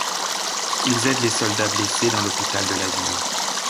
Ils aident les soldats blessés dans l'hôpital de la ville.